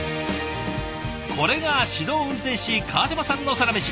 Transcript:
これが指導運転士川島さんのサラメシ。